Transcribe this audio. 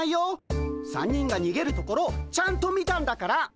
３人がにげるところちゃんと見たんだから。